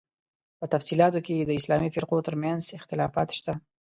په تفصیلاتو کې یې د اسلامي فرقو تر منځ اختلاف شته.